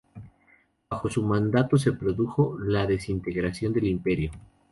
Bajo su mandato se produjo la desintegración del Imperio.